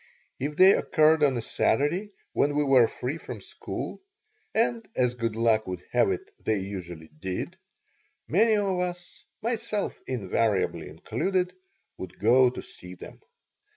If they occurred on a Saturday, when we were free from school and, as good luck would have it, they usually did many of us, myself invariably included, would go to see them.